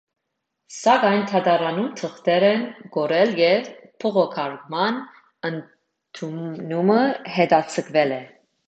Սակայն դատարանում թղթեր են կորել և բողոքարկման ընդունումը հետաձգվել է։